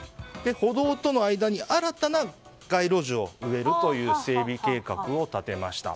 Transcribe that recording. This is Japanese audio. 歩道との間に新たな街路樹を植えるという整備計画を立てました。